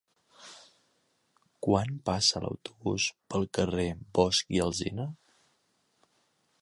Quan passa l'autobús pel carrer Bosch i Alsina?